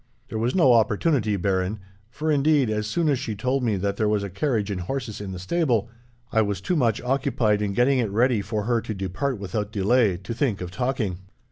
"There was no opportunity, Baron, for indeed, as soon as she told me that there was a carriage and horses in the stable, I was too much occupied in getting it ready for her to depart without delay, to think of talking."